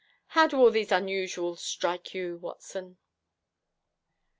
How do all these unusuals strike you, Watson?'